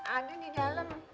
anjing di dalam